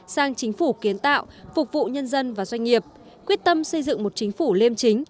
sang chính phủ kiến tạo phục vụ nhân dân và doanh nghiệp quyết tâm xây dựng một chính phủ liêm chính